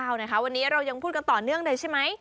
นะคะวันนี้เรายังพูดกันต่อเนื่องเลยใช่ไหม